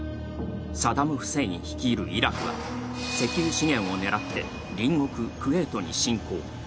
サダム・フセイン率いるイラクは石油資源を狙って隣国・クウェートに侵攻。